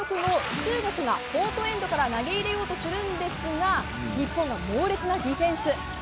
中国がコートエンドから投げ入れようとするんですが日本が猛烈なディフェンス。